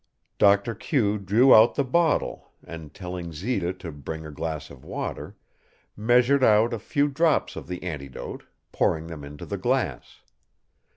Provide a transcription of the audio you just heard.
Doctor Q drew out the bottle and, telling Zita to bring a glass of water, measured out a few drops of the antidote, pouring them into the glass.